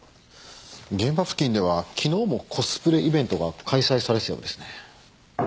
現場付近では昨日もコスプレイベントが開催されてたようですね。